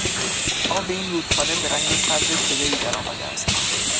آب این رودخانه به رنگ سبز کدری در آمده است.